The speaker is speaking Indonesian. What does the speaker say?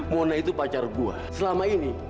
mona itu pacar gue selama ini